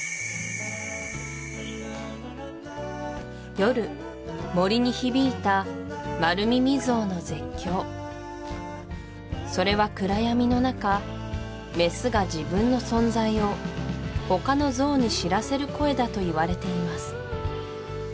夜森に響いたマルミミゾウの絶叫それは暗闇の中メスが自分の存在を他のゾウに知らせる声だといわれています